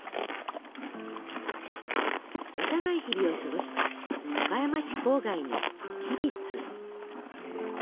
幼い日々を過ごした岡山市郊外の吉備津。